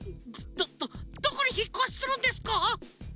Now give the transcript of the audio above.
どどどこにひっこしするんですか？